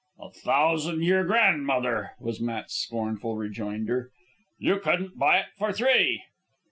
"A thousan' your grandmother," was Matt's scornful rejoinder. "You couldn't buy it for three."